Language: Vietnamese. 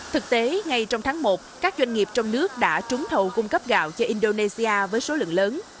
thực tế ngay trong tháng một các doanh nghiệp trong nước đã trúng thầu cung cấp gạo cho indonesia với số lượng lớn